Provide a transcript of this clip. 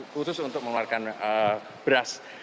khusus untuk mengeluarkan beras